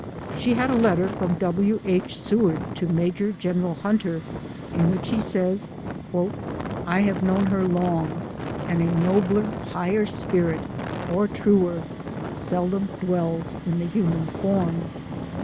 She had a letter from W. II. Seward to Maj. Gen. Hunter, in which he says, ' I have known her long, and a nobler, higher spirit, or truer, seldom dwells in the human form.'